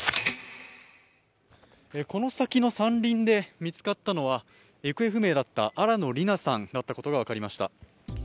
この先の山林で見つかったのは行方不明だった新野りなさんだったことが分かりました。